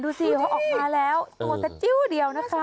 ดูสิเขาออกมาแล้วตัวสะจิ้วเดียวนะคะ